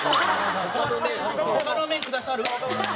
「他のメンくださる？」。